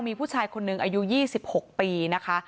มีผู้ชายคนหนึ่งอายุ๒๖ปีนะคะ